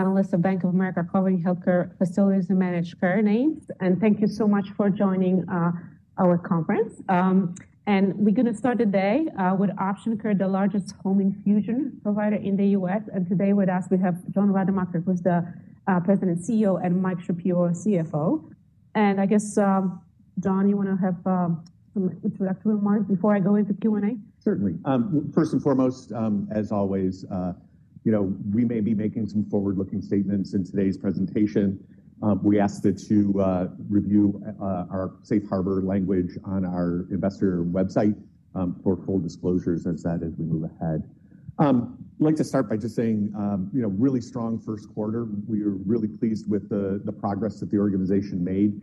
Panelists of Bank of America Quality Healthcare Facilities and Managed Care names, and thank you so much for joining our conference. We are going to start the day with Option Care Health, the largest home infusion provider in the U.S. Today with us, we have John Rademacher, who's the President and CEO, and Mike Shapiro, CFO. I guess, John, you want to have some introductory remarks before I go into Q&A? Certainly. First and foremost, as always, you know we may be making some forward-looking statements in today's presentation. We ask that you review our safe harbor language on our investor website for full disclosures as we move ahead. I'd like to start by just saying really strong first quarter. We are really pleased with the progress that the organization made,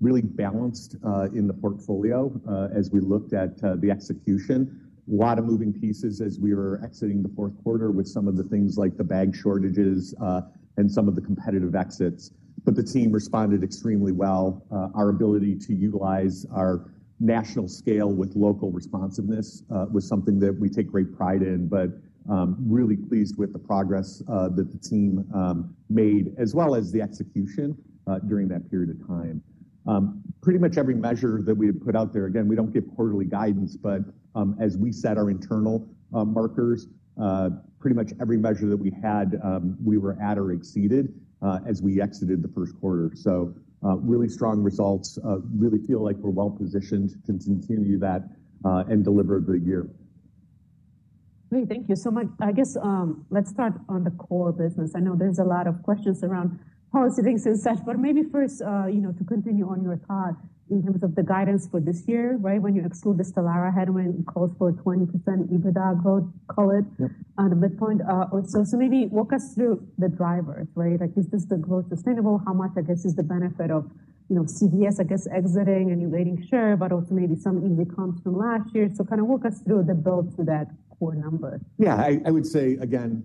really balanced in the portfolio as we looked at the execution. A lot of moving pieces as we were exiting the fourth quarter with some of the things like the bag shortages and some of the competitive exits. The team responded extremely well. Our ability to utilize our national scale with local responsiveness was something that we take great pride in, but really pleased with the progress that the team made, as well as the execution during that period of time. Pretty much every measure that we had put out there, again, we don't give quarterly guidance, but as we set our internal markers, pretty much every measure that we had, we were at or exceeded as we exited the first quarter. Really strong results. Really feel like we're well positioned to continue that and deliver the year. Great. Thank you so much. I guess let's start on the core business. I know there's a lot of questions around policy things and such, but maybe first, you know, to continue on your thought in terms of the guidance for this year, right? When you exclude the Stelara headwind, it calls for a 20% EBITDA, call it, on the midpoint. So maybe walk us through the drivers, right? Like, is this the growth sustainable? How much, I guess, is the benefit of CVS, I guess, exiting and you're waiting? Sure, but also maybe some incomes from last year. So kind of walk us through the build to that core number. Yeah, I would say, again,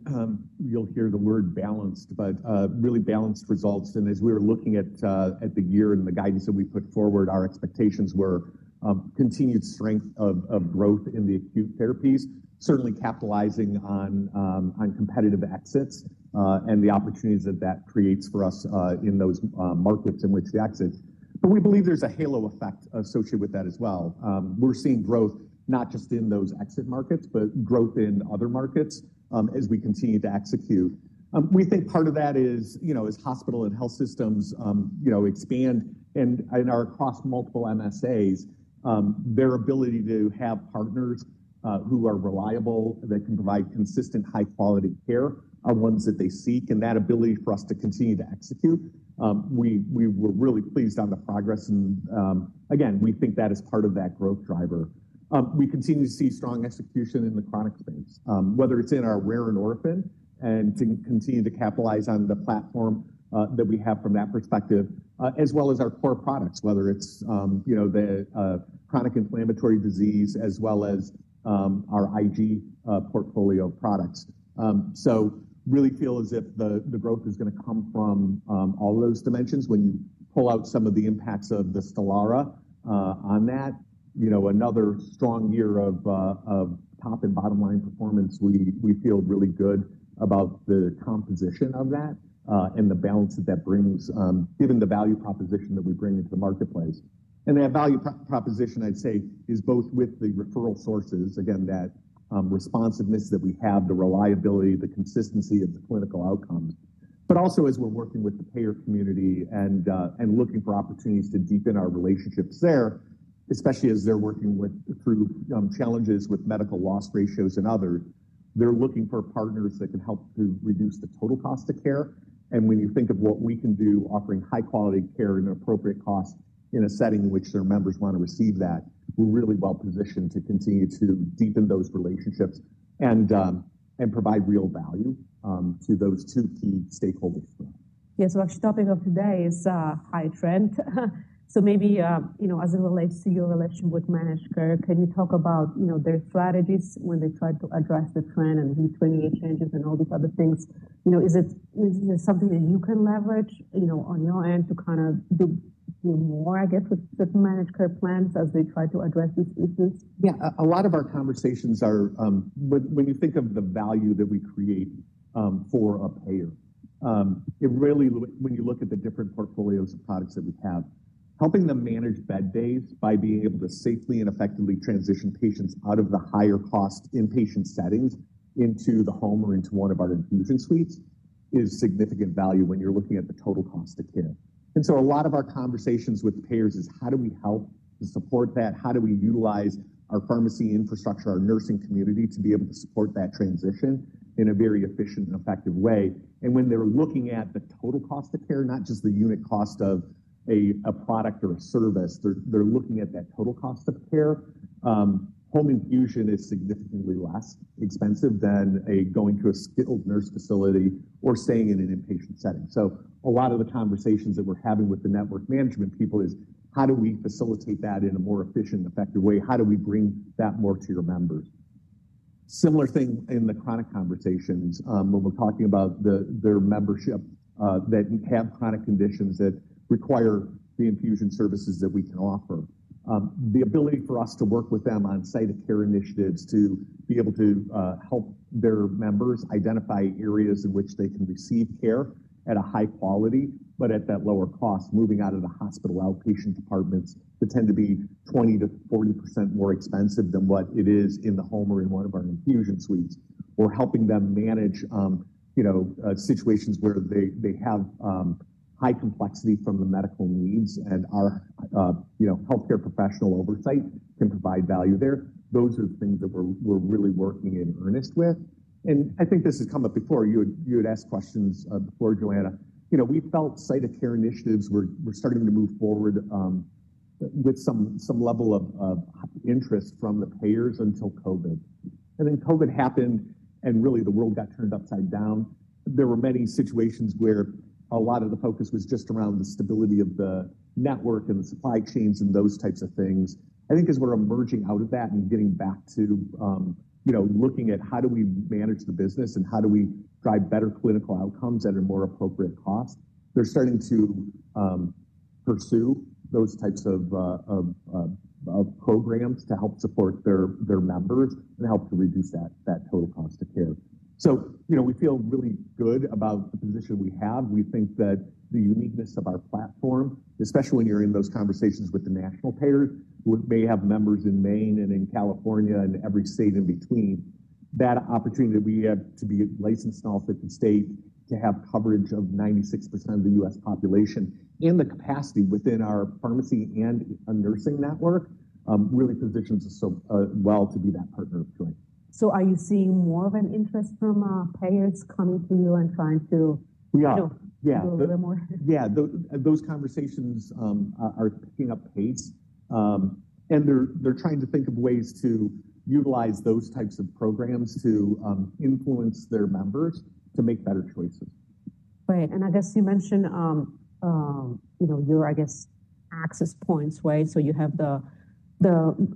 you'll hear the word balanced, but really balanced results. As we were looking at the year and the guidance that we put forward, our expectations were continued strength of growth in the acute therapies, certainly capitalizing on competitive exits and the opportunities that that creates for us in those markets in which we exit. We believe there's a halo effect associated with that as well. We're seeing growth not just in those exit markets, but growth in other markets as we continue to execute. We think part of that is, you know, as hospital and health systems, you know, expand and are across multiple MSAs, their ability to have partners who are reliable, that can provide consistent high-quality care are ones that they seek. That ability for us to continue to execute, we were really pleased on the progress. We think that is part of that growth driver. We continue to see strong execution in the chronic space, whether it's in our rare and orphan and to continue to capitalize on the platform that we have from that perspective, as well as our core products, whether it's, you know, the chronic inflammatory disease, as well as our IG portfolio products. We really feel as if the growth is going to come from all those dimensions. When you pull out some of the impacts of the Stelara on that, you know, another strong year of top and bottom line performance, we feel really good about the composition of that and the balance that that brings, given the value proposition that we bring into the marketplace. That value proposition, I'd say, is both with the referral sources, again, that responsiveness that we have, the reliability, the consistency of the clinical outcomes, but also as we're working with the payer community and looking for opportunities to deepen our relationships there, especially as they're working through challenges with medical loss ratios and others, they're looking for partners that can help to reduce the total cost of care. When you think of what we can do, offering high-quality care and appropriate costs in a setting in which their members want to receive that, we're really well positioned to continue to deepen those relationships and provide real value to those two key stakeholders. Yeah, so actually topic of today is high trend. So maybe, you know, as it relates to your relationship with Managed Care, can you talk about, you know, their strategies when they try to address the trend and these 28 changes and all these other things? You know, is it something that you can leverage, you know, on your end to kind of do more, I guess, with the Managed Care plans as they try to address these issues? Yeah, a lot of our conversations are, when you think of the value that we create for a payer, it really, when you look at the different portfolios of products that we have, helping them manage bed days by being able to safely and effectively transition patients out of the higher cost inpatient settings into the home or into one of our infusion suites is significant value when you're looking at the total cost of care. A lot of our conversations with payers is, how do we help to support that? How do we utilize our pharmacy infrastructure, our nursing community to be able to support that transition in a very efficient and effective way? When they're looking at the total cost of care, not just the unit cost of a product or a service, they're looking at that total cost of care. Home infusion is significantly less expensive than going to a skilled nurse facility or staying in an inpatient setting. A lot of the conversations that we're having with the network management people is, how do we facilitate that in a more efficient and effective way? How do we bring that more to your members? Similar thing in the chronic conversations when we're talking about their membership that have chronic conditions that require the infusion services that we can offer. The ability for us to work with them on site of care initiatives to be able to help their members identify areas in which they can receive care at a high quality, but at that lower cost, moving out of the hospital outpatient departments that tend to be 20%-40% more expensive than what it is in the home or in one of our infusion suites. We're helping them manage, you know, situations where they have high complexity from the medical needs and our, you know, healthcare professional oversight can provide value there. Those are the things that we're really working in earnest with. I think this has come up before. You had asked questions before, Joanna. You know, we felt site of care initiatives were starting to move forward with some level of interest from the payers until COVID. COVID happened and really the world got turned upside down. There were many situations where a lot of the focus was just around the stability of the network and the supply chains and those types of things. I think as we're emerging out of that and getting back to, you know, looking at how do we manage the business and how do we drive better clinical outcomes at a more appropriate cost, they're starting to pursue those types of programs to help support their members and help to reduce that total cost of care. You know, we feel really good about the position we have. We think that the uniqueness of our platform, especially when you're in those conversations with the national payers, we may have members in Maine and in California and every state in between, that opportunity that we have to be licensed in all 50 states, to have coverage of 96% of the U.S. population, and the capacity within our pharmacy and nursing network really positions us so well to be that partner of choice. Are you seeing more of an interest from payers coming to you and trying to do a little bit more? Yeah, those conversations are picking up pace. They are trying to think of ways to utilize those types of programs to influence their members to make better choices. Right. I guess you mentioned, you know, your, I guess, access points, right? You have the nursing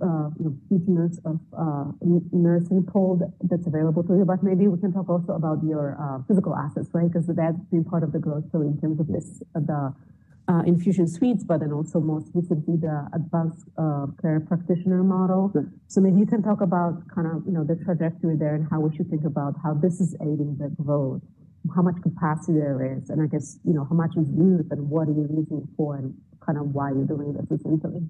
pool that's available to you, but maybe we can talk also about your physical assets, right? That's been part of the growth, so in terms of the infusion suites, but then also most recently the advanced care practitioner model. Maybe you can talk about kind of, you know, the trajectory there and how you would think about how this is aiding the growth, how much capacity there is, and I guess, you know, how much is used and what are you using for and kind of why you're doing this essentially?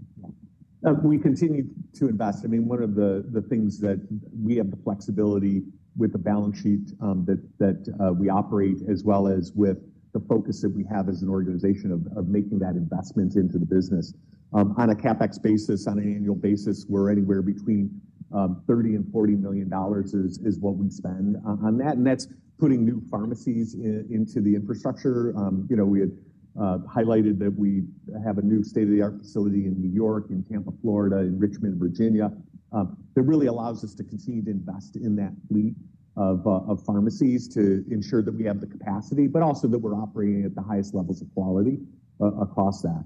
We continue to invest. I mean, one of the things that we have the flexibility with the balance sheet that we operate, as well as with the focus that we have as an organization of making that investment into the business. On a CapEx basis, on an annual basis, we're anywhere between $30-$40 million is what we spend on that. And that's putting new pharmacies into the infrastructure. You know, we had highlighted that we have a new state-of-the-art facility in New York, in Tampa, Florida, in Richmond, Virginia. That really allows us to continue to invest in that fleet of pharmacies to ensure that we have the capacity, but also that we're operating at the highest levels of quality across that.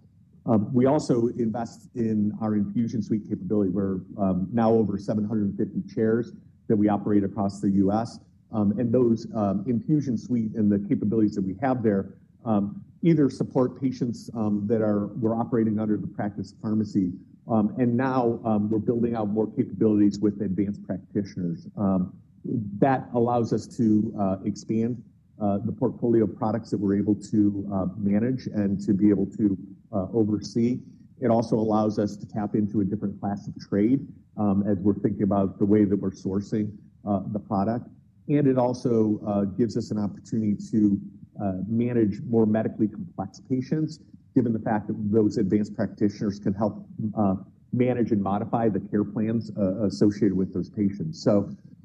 We also invest in our infusion suite capability. We're now over 750 chairs that we operate across the U.S. Those infusion suites and the capabilities that we have there either support patients that are operating under the practice pharmacy, and now we're building out more capabilities with advanced practitioners. That allows us to expand the portfolio of products that we're able to manage and to be able to oversee. It also allows us to tap into a different class of trade as we're thinking about the way that we're sourcing the product. It also gives us an opportunity to manage more medically complex patients, given the fact that those advanced practitioners can help manage and modify the care plans associated with those patients.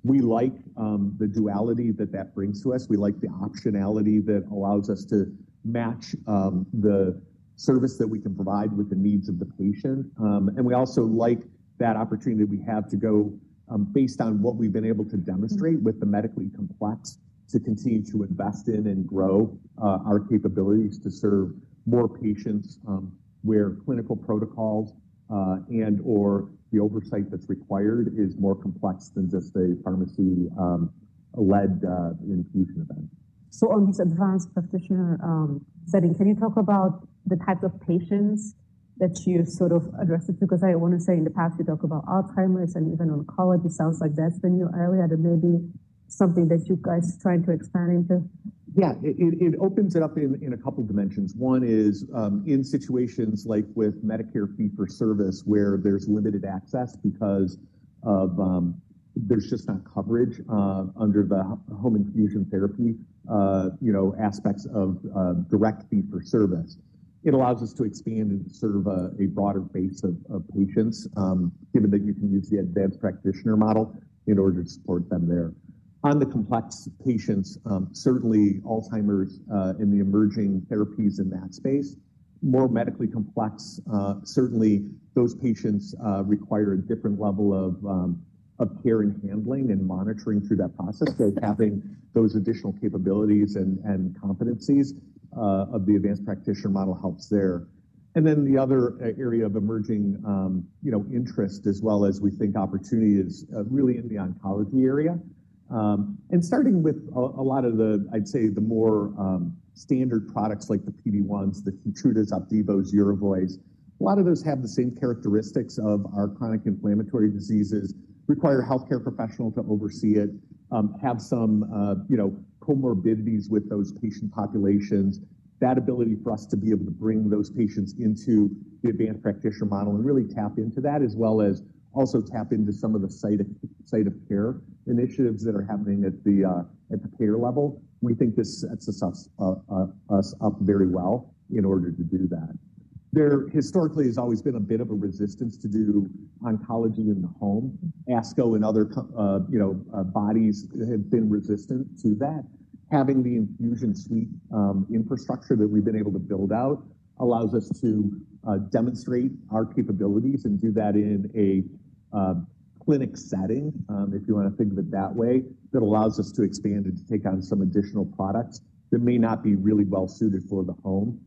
We like the duality that that brings to us. We like the optionality that allows us to match the service that we can provide with the needs of the patient. We also like that opportunity we have to go based on what we've been able to demonstrate with the medically complex to continue to invest in and grow our capabilities to serve more patients where clinical protocols and/or the oversight that's required is more complex than just a pharmacy-led infusion event. On this advanced practitioner setting, can you talk about the type of patients that you sort of addressed? Because I want to say in the past you talk about Alzheimer's and even oncology. Sounds like that's been your area. That may be something that you guys are trying to expand into. Yeah, it opens it up in a couple of dimensions. One is in situations like with Medicare fee-for-service where there's limited access because there's just not coverage under the home infusion therapy, you know, aspects of direct fee-for-service. It allows us to expand and serve a broader base of patients, given that you can use the advanced practitioner model in order to support them there. On the complex patients, certainly Alzheimer's and the emerging therapies in that space, more medically complex, certainly those patients require a different level of care and handling and monitoring through that process. Having those additional capabilities and competencies of the advanced practitioner model helps there. The other area of emerging, you know, interest, as well as we think opportunity, is really in the oncology area. Starting with a lot of the, I'd say, the more standard products like the PD-1s, the Keytrudas, Opdivos, Urovoids, a lot of those have the same characteristics of our chronic inflammatory diseases, require a healthcare professional to oversee it, have some, you know, comorbidities with those patient populations, that ability for us to be able to bring those patients into the advanced practitioner model and really tap into that, as well as also tap into some of the site of care initiatives that are happening at the payer level. We think this sets us up very well in order to do that. There historically has always been a bit of a resistance to do oncology in the home. ASCO and other, you know, bodies have been resistant to that. Having the infusion suite infrastructure that we've been able to build out allows us to demonstrate our capabilities and do that in a clinic setting, if you want to think of it that way, that allows us to expand and to take on some additional products that may not be really well suited for the home,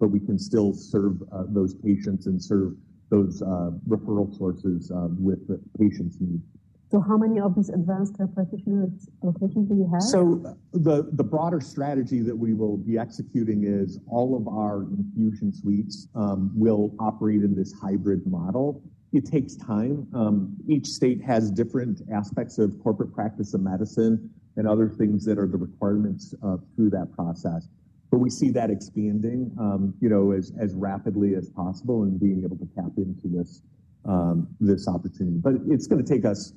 but we can still serve those patients and serve those referral sources with the patients' needs. How many of these advanced care practitioner locations do you have? The broader strategy that we will be executing is all of our infusion suites will operate in this hybrid model. It takes time. Each state has different aspects of corporate practice of medicine and other things that are the requirements through that process. We see that expanding, you know, as rapidly as possible and being able to tap into this opportunity. It's going to take us,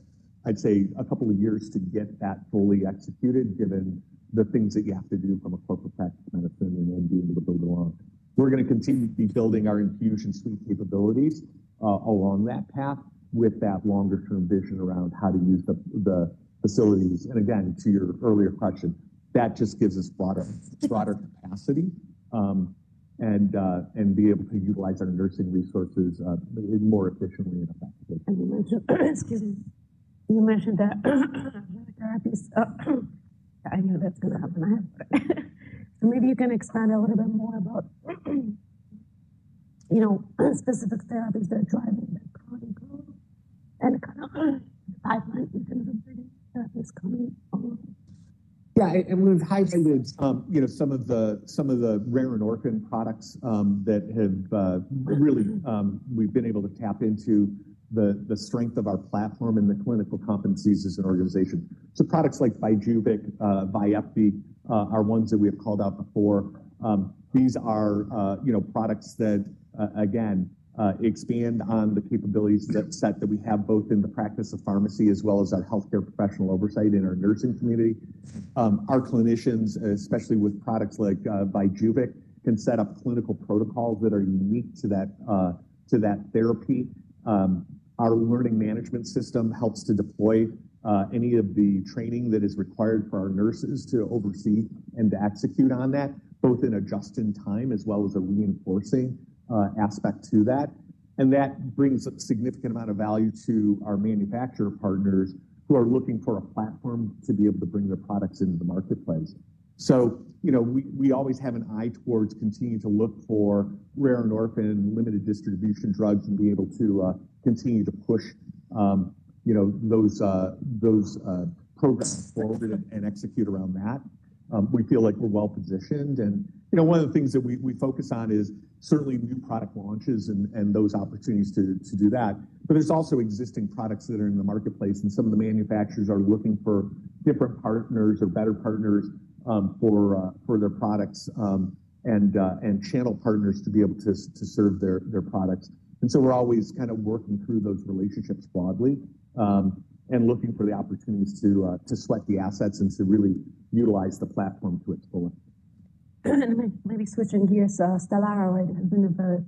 I'd say, a couple of years to get that fully executed, given the things that you have to do from a corporate practice of medicine and then being able to build along. We're going to continue to be building our infusion suite capabilities along that path with that longer-term vision around how to use the facilities. Again, to your earlier question, that just gives us broader capacity and be able to utilize our nursing resources more efficiently and effectively. You mentioned that I know that's going to happen ahead, but maybe you can expand a little bit more about, you know, specific therapies that are driving that growth and kind of the pipeline in terms of bringing therapies coming along. Yeah, and we've highlighted, you know, some of the rare and orphan products that have really, we've been able to tap into the strength of our platform and the clinical competencies as an organization. So products like Byjuvi, Vyepti are ones that we have called out before. These are, you know, products that, again, expand on the capabilities that we have both in the practice of pharmacy as well as our healthcare professional oversight in our nursing community. Our clinicians, especially with products like Byjuvi, can set up clinical protocols that are unique to that therapy. Our learning management system helps to deploy any of the training that is required for our nurses to oversee and to execute on that, both in adjusting time as well as a reinforcing aspect to that. That brings a significant amount of value to our manufacturer partners who are looking for a platform to be able to bring their products into the marketplace. You know, we always have an eye towards continuing to look for rare and orphan limited distribution drugs and be able to continue to push, you know, those programs forward and execute around that. We feel like we're well positioned. You know, one of the things that we focus on is certainly new product launches and those opportunities to do that. There are also existing products that are in the marketplace and some of the manufacturers are looking for different partners or better partners for their products and channel partners to be able to serve their products. We're always kind of working through those relationships broadly and looking for the opportunities to sweat the assets and to really utilize the platform to its fullest. Maybe switching gears, Stelara, it has been a very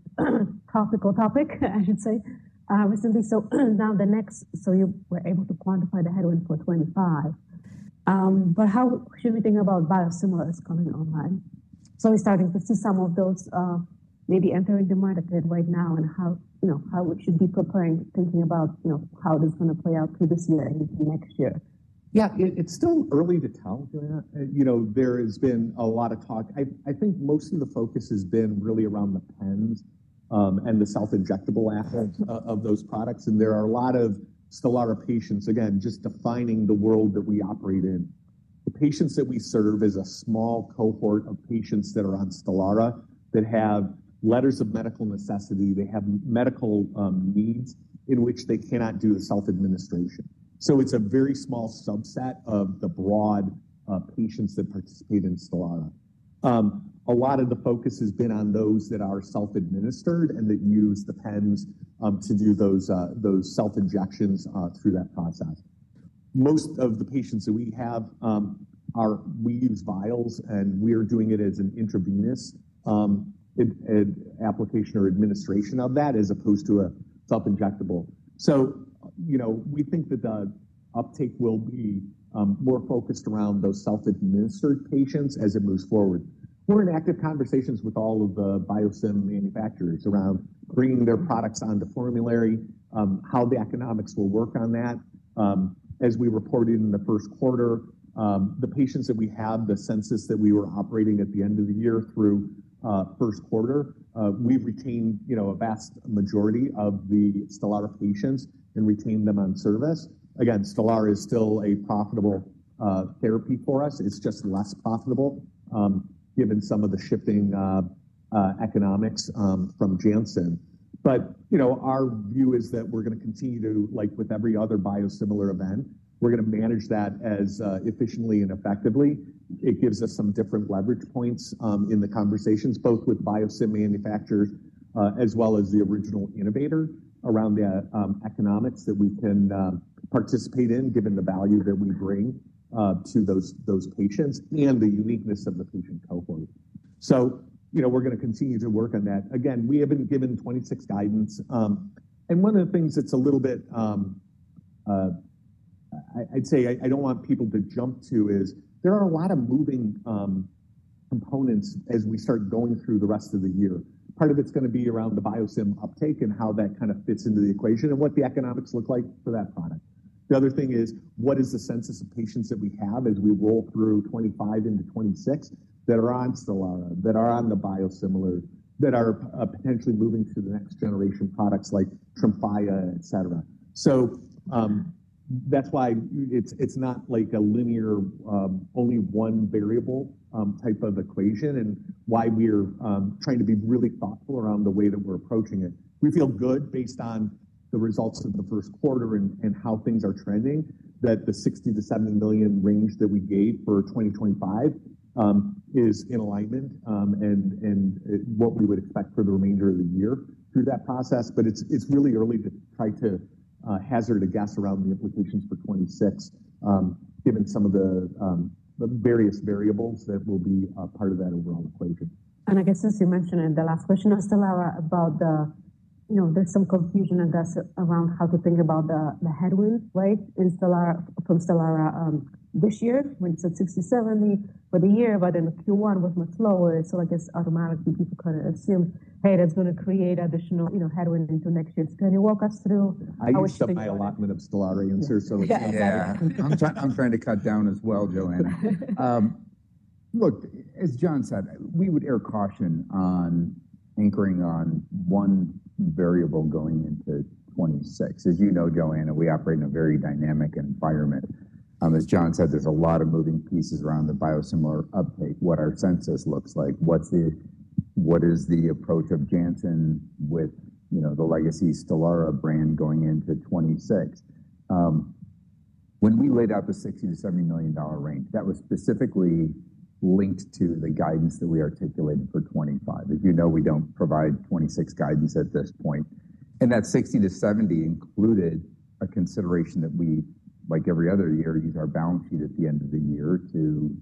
topical topic, I should say, recently. Now the next, so you were able to quantify the headwind for 2025. How should we think about biosimilars coming online? We're starting to see some of those maybe entering the market right now and how, you know, how we should be preparing, thinking about, you know, how this is going to play out through this year and next year? Yeah, it's still early to tell, Joanna. You know, there has been a lot of talk. I think most of the focus has been really around the pens and the self-injectable aspect of those products. And there are a lot of Stelara patients, again, just defining the world that we operate in. The patients that we serve is a small cohort of patients that are on Stelara that have letters of medical necessity. They have medical needs in which they cannot do the self-administration. So it's a very small subset of the broad patients that participate in Stelara. A lot of the focus has been on those that are self-administered and that use the pens to do those self-injections through that process. Most of the patients that we have are, we use vials and we are doing it as an intravenous application or administration of that as opposed to a self-injectable. So, you know, we think that the uptake will be more focused around those self-administered patients as it moves forward. We're in active conversations with all of the biosim manufacturers around bringing their products onto formulary, how the economics will work on that. As we reported in the first quarter, the patients that we have, the census that we were operating at the end of the year through first quarter, we've retained, you know, a vast majority of the Stelara patients and retained them on service. Again, Stelara is still a profitable therapy for us. It's just less profitable given some of the shifting economics from Janssen. You know, our view is that we're going to continue to, like with every other biosimilar event, we're going to manage that as efficiently and effectively. It gives us some different leverage points in the conversations, both with biosim manufacturers as well as the original innovator around the economics that we can participate in, given the value that we bring to those patients and the uniqueness of the patient cohort. You know, we're going to continue to work on that. Again, we have been given 2026 guidance. One of the things that's a little bit, I'd say I don't want people to jump to is there are a lot of moving components as we start going through the rest of the year. Part of it's going to be around the biosim uptake and how that kind of fits into the equation and what the economics look like for that product. The other thing is what is the census of patients that we have as we roll through 2025 into 2026 that are on Stelara, that are on the biosimilars, that are potentially moving to the next generation products like Tremfya, et cetera. That is why it's not like a linear, only one variable type of equation and why we're trying to be really thoughtful around the way that we're approaching it. We feel good based on the results of the first quarter and how things are trending that the $60-$70 million range that we gave for 2025 is in alignment and what we would expect for the remainder of the year through that process. It's really early to try to hazard a guess around the implications for 2026, given some of the various variables that will be part of that overall equation. I guess since you mentioned it, the last question on Stelara about the, you know, there's some confusion I guess around how to think about the headwind, right, from Stelara this year when it's at 60-70 for the year, but in Q1 was much lower. I guess automatically people kind of assume, hey, that's going to create additional, you know, headwind into next year. Can you walk us through? I used to buy a lot when it was Stelara, so it's not bad. I'm trying to cut down as well, Joanna. Look, as John said, we would err caution on anchoring on one variable going into 2026. As you know, Joanna, we operate in a very dynamic environment. As John said, there's a lot of moving pieces around the biosimilar uptake, what our census looks like, what is the approach of Janssen with, you know, the legacy Stelara brand going into 2026. When we laid out the $60-$70 million range, that was specifically linked to the guidance that we articulated for 2025. As you know, we don't provide 2026 guidance at this point. That 60-70 included a consideration that we, like every other year, use our balance sheet at the end of the year to,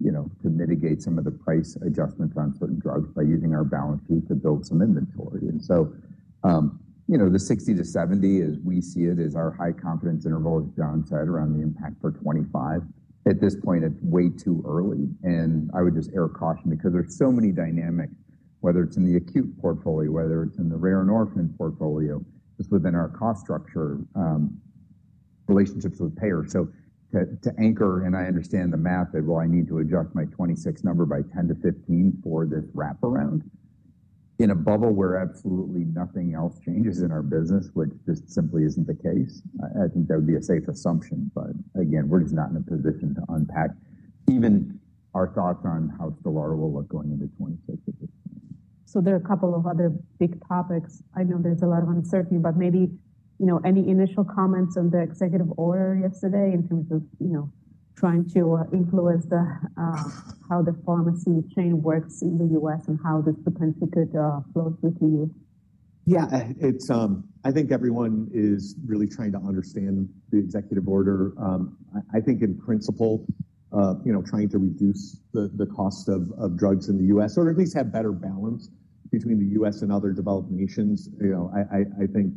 you know, to mitigate some of the price adjustments on certain drugs by using our balance sheet to build some inventory. You know, the 60-70, as we see it, is our high confidence interval, as John said, around the impact for 2025. At this point, it's way too early. I would just err caution because there's so many dynamics, whether it's in the acute portfolio, whether it's in the rare and orphan portfolio, just within our cost structure, relationships with payers. To anchor, and I understand the math that, well, I need to adjust my 2026 number by 10-15 for this wrap-around in a bubble where absolutely nothing else changes in our business, which just simply is not the case. I think that would be a safe assumption. Again, we are just not in a position to unpack even our thoughts on how Stelara will look going into 2026 at this point. There are a couple of other big topics. I know there's a lot of uncertainty, but maybe, you know, any initial comments on the executive order yesterday in terms of, you know, trying to influence how the pharmacy chain works in the U.S. and how this potentially could flow through to you? Yeah, it's, I think everyone is really trying to understand the executive order. I think in principle, you know, trying to reduce the cost of drugs in the U.S., or at least have better balance between the U.S. and other developed nations. You know, I think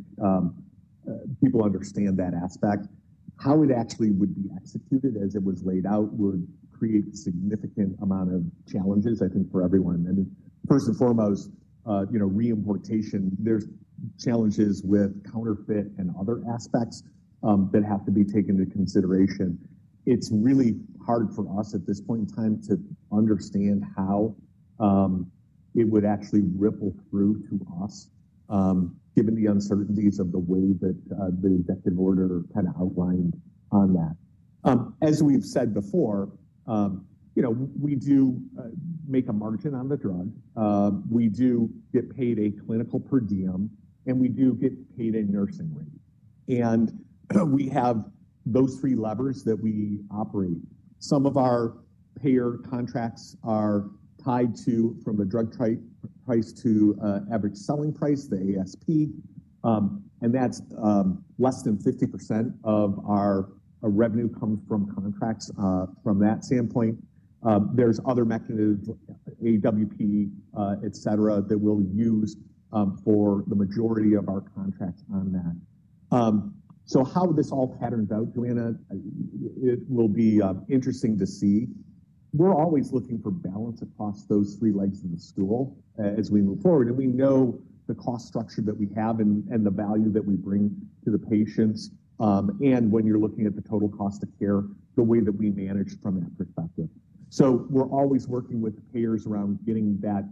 people understand that aspect. How it actually would be executed as it was laid out would create a significant amount of challenges, I think, for everyone. First and foremost, you know, re-importation, there's challenges with counterfeit and other aspects that have to be taken into consideration. It's really hard for us at this point in time to understand how it would actually ripple through to us, given the uncertainties of the way that the executive order kind of outlined on that. As we've said before, you know, we do make a margin on the drug. We do get paid a clinical per diem, and we do get paid a nursing rate. We have those three levers that we operate. Some of our payer contracts are tied to, from the drug price to average selling price, the ASP, and that's less than 50% of our revenue comes from contracts from that standpoint. There are other mechanisms, AWP, et cetera, that we use for the majority of our contracts on that. How this all patterns out, Joanna, it will be interesting to see. We're always looking for balance across those three legs of the stool as we move forward. We know the cost structure that we have and the value that we bring to the patients. When you're looking at the total cost of care, the way that we manage from that perspective. We're always working with payers around getting that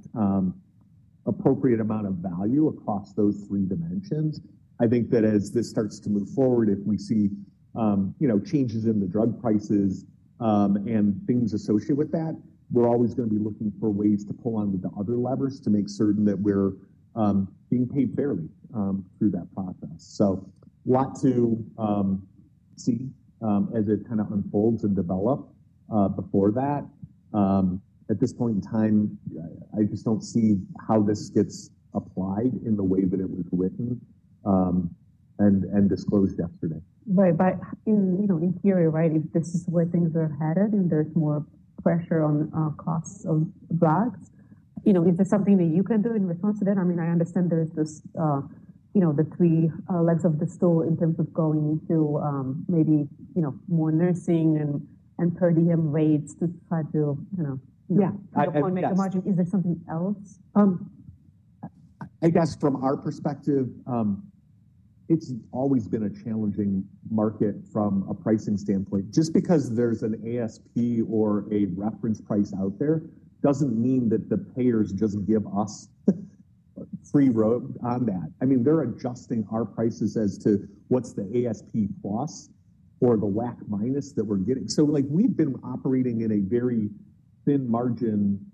appropriate amount of value across those three dimensions. I think that as this starts to move forward, if we see, you know, changes in the drug prices and things associated with that, we're always going to be looking for ways to pull on the other levers to make certain that we're being paid fairly through that process. A lot to see as it kind of unfolds and develops before that. At this point in time, I just don't see how this gets applied in the way that it was written and disclosed yesterday. Right. But in, you know, in theory, right, if this is where things are headed and there's more pressure on costs of drugs, you know, is there something that you can do in response to that? I mean, I understand there's this, you know, the three legs of the stool in terms of going to maybe, you know, more nursing and per diem rates to try to, you know. Yeah. Make a margin. Is there something else? I guess from our perspective, it's always been a challenging market from a pricing standpoint. Just because there's an ASP or a reference price out there doesn't mean that the payers just give us free road on that. I mean, they're adjusting our prices as to what's the ASP plus or the WAC minus that we're getting. Like we've been operating in a very thin margin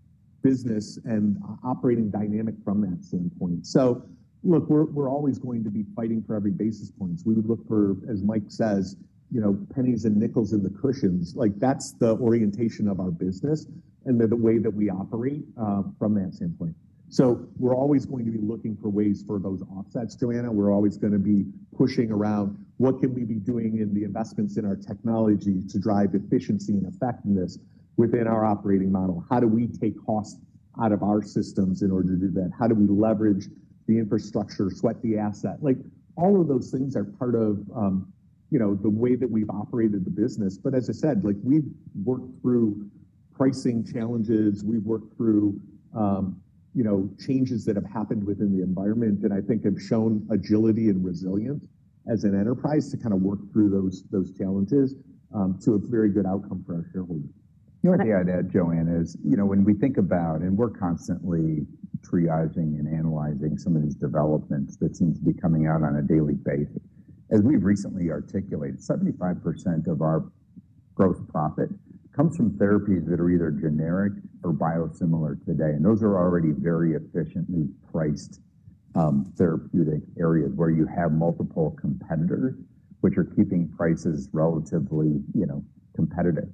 business and operating dynamic from that standpoint. Look, we're always going to be fighting for every basis point. We would look for, as Mike says, you know, pennies and nickels in the cushions. Like that's the orientation of our business and the way that we operate from that standpoint. We're always going to be looking for ways for those offsets, Joanna. We're always going to be pushing around what can we be doing in the investments in our technology to drive efficiency and effectiveness within our operating model. How do we take costs out of our systems in order to do that? How do we leverage the infrastructure, sweat the asset? Like all of those things are part of, you know, the way that we've operated the business. As I said, like we've worked through pricing challenges. We've worked through, you know, changes that have happened within the environment. I think have shown agility and resilience as an enterprise to kind of work through those challenges to a very good outcome for our shareholders. The other thing I'd add, Joanna, is, you know, when we think about and we're constantly triaging and analyzing some of these developments that seem to be coming out on a daily basis. As we've recently articulated, 75% of our gross profit comes from therapies that are either generic or biosimilar today. Those are already very efficiently priced therapeutic areas where you have multiple competitors which are keeping prices relatively, you know, competitive.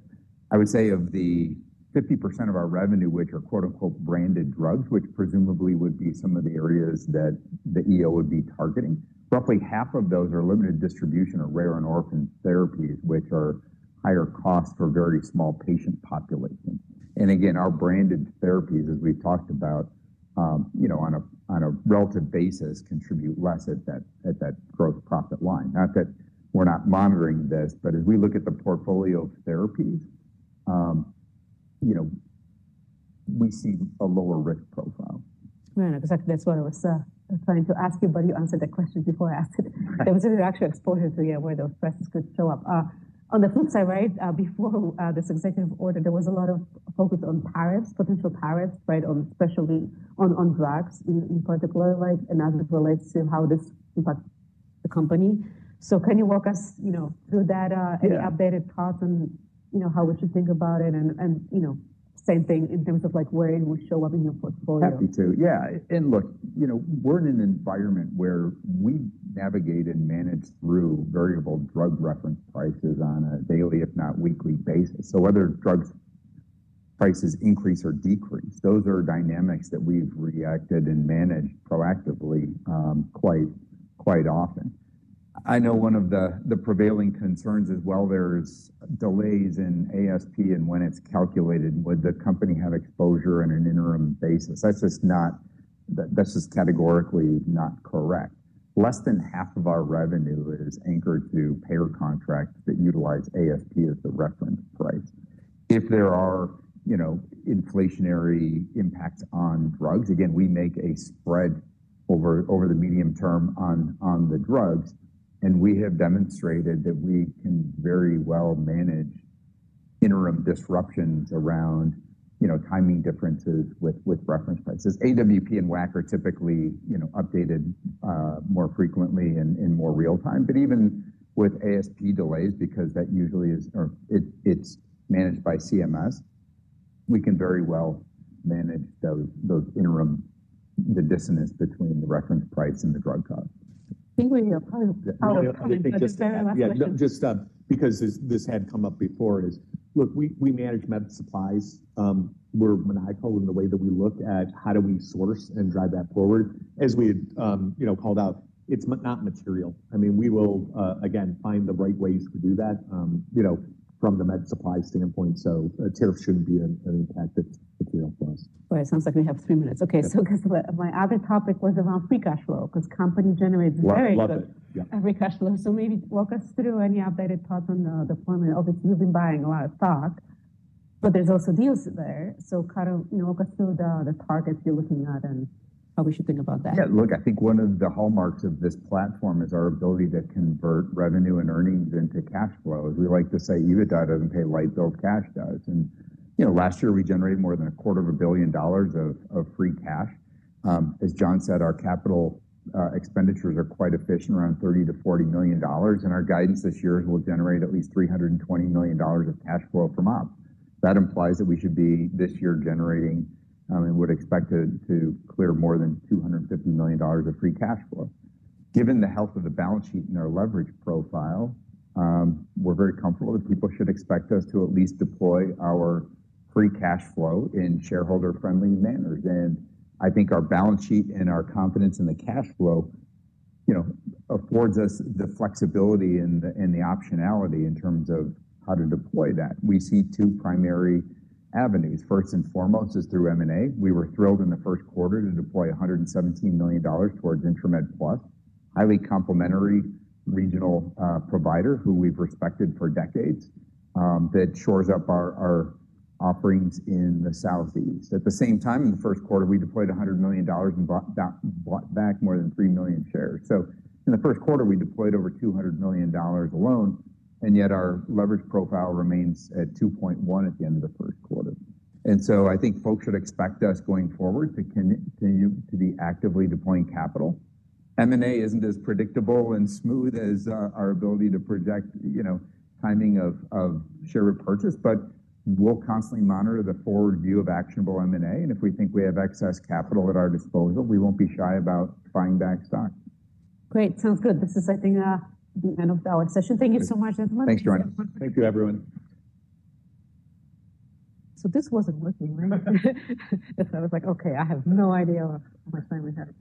I would say of the 50% of our revenue, which are quote unquote branded drugs, which presumably would be some of the areas that the EO would be targeting, roughly half of those are limited distribution or rare and orphan therapies, which are higher costs for very small patient populations. Again, our branded therapies, as we've talked about, you know, on a relative basis contribute less at that gross profit line. Not that we're not monitoring this, but as we look at the portfolio of therapies, you know, we see a lower risk profile. Joanna, because that's what I was trying to ask you, but you answered that question before I asked it. There was actually exposure to where those prices could show up. On the flip side, right, before this executive order, there was a lot of focus on tariffs, potential tariffs, right, especially on drugs in particular, like and as it relates to how this impacts the company. Can you walk us, you know, through that, any updated thoughts on, you know, how we should think about it and, you know, same thing in terms of like where it will show up in your portfolio? Happy to. Yeah. Look, you know, we're in an environment where we navigate and manage through variable drug reference prices on a daily, if not weekly, basis. Whether drug prices increase or decrease, those are dynamics that we've reacted and managed proactively quite often. I know one of the prevailing concerns is, well, there's delays in ASP and when it's calculated, would the company have exposure on an interim basis? That's just not, that's just categorically not correct. Less than half of our revenue is anchored to payer contracts that utilize ASP as the reference price. If there are, you know, inflationary impacts on drugs, again, we make a spread over the medium term on the drugs. We have demonstrated that we can very well manage interim disruptions around, you know, timing differences with reference prices. AWP and WAC are typically, you know, updated more frequently in more real time. Even with ASP delays, because that usually is, or it's managed by CMS, we can very well manage those interim, the dissonance between the reference price and the drug cost. I think we probably. Yeah, just because this had come up before is, look, we manage med supplies. We're maniacal in the way that we look at how do we source and drive that forward. As we had, you know, called out, it's not material. I mean, we will, again, find the right ways to do that, you know, from the med supply standpoint. Tariffs should not be an impacted material for us. It sounds like we have three minutes. Okay. Because my other topic was around free cash flow because company generates very high. I love it. Yeah. Free cash flow. Maybe walk us through any updated thoughts on the deployment of it. You've been buying a lot of stock, but there's also deals there. Kind of, you know, walk us through the targets you're looking at and how we should think about that. Yeah. Look, I think one of the hallmarks of this platform is our ability to convert revenue and earnings into cash flow. As we like to say, EBITDA does not pay the light bill, cash does. And, you know, last year we generated more than a quarter of a billion dollars of free cash. As John said, our capital expenditures are quite efficient, around $30-$40 million. Our guidance this year is we will generate at least $320 million of cash flow from ops. That implies that we should be this year generating and would expect to clear more than $250 million of free cash flow. Given the health of the balance sheet and our leverage profile, we are very comfortable that people should expect us to at least deploy our free cash flow in shareholder-friendly manners. I think our balance sheet and our confidence in the cash flow, you know, affords us the flexibility and the optionality in terms of how to deploy that. We see two primary avenues. First and foremost is through M&A. We were thrilled in the first quarter to deploy $117 million towards Intramed Plus, a highly complementary regional provider who we've respected for decades that shores up our offerings in the Southeast. At the same time, in the first quarter, we deployed $100 million and bought back more than three million shares. In the first quarter, we deployed over $200 million alone, and yet our leverage profile remains at 2.1 at the end of the first quarter. I think folks should expect us going forward to continue to be actively deploying capital. M&A isn't as predictable and smooth as our ability to project, you know, timing of share repurchase, but we'll constantly monitor the forward view of actionable M&A. If we think we have excess capital at our disposal, we won't be shy about buying back stock. Great. Sounds good. This is, I think, the end of our session. Thank you so much. Thanks, Joanna. Thank you, everyone. This wasn't working, right? I was like, okay, I have no idea how much time we have.